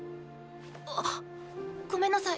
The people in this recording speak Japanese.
あっごめんなさい。